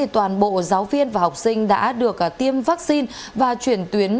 toàn bộ giáo viên và học sinh đã được tiêm vaccine và chuyển tuyến